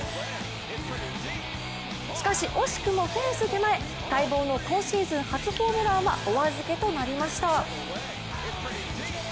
しかし、惜しくもフェンス手前待望の今シーズン初ホームランはお預けとなりました。